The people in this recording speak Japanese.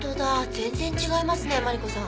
全然違いますねマリコさん。